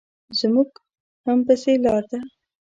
زموږ هم پسې لار ده.